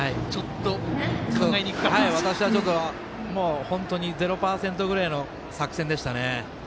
私は、本当に０％ぐらいの作戦でしたね。